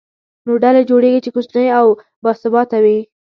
نوې ډلې جوړېږي، چې کوچنۍ او باثباته وي.